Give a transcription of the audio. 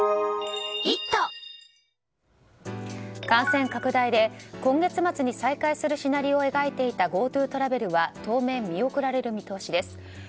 感染拡大で今月末に再開するシナリオを描いていたＧｏＴｏトラベルは当面、見送られる見通しです。